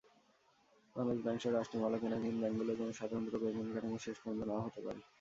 বাংলাদেশ ব্যাংকসহ রাষ্ট্রমালিকানাধীন ব্যাংকগুলোর জন্য স্বতন্ত্র বেতনকাঠামো শেষ পর্যন্ত না-ও হতে পারে।